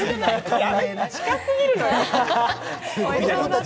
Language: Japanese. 近すぎるのよ。